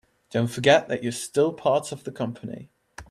Don't forget that you're still part of the company.